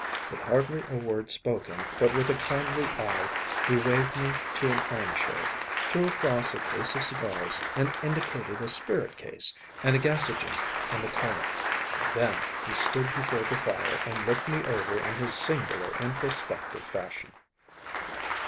With hardly a word spoken, but with a kindly eye, he waved me to an armchair, threw across his case of cigars, and indicated a spirit case and a gasogene in the corner. Then he stood before the fire and looked me over in his singular introspective fashion.